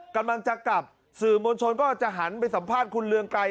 กำลังจะกลับสื่อมวลชนก็จะหันไปสัมภาษณ์คุณเรืองไกร